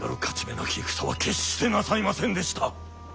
なき戦は決してなさいませんでした。